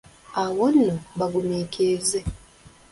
Awo nno, bagumiikirize.